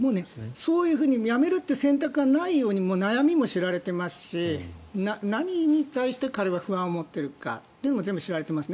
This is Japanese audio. そういうふうにやめるという選択がないように悩みも知られていますし何に対して彼は不安を持っているかというのも全部知られています。